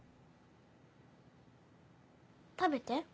食べて。